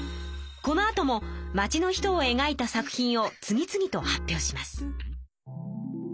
このあとも町の人を描いた作品を次々と発表します。